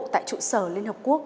tại trụ sở liên hợp quốc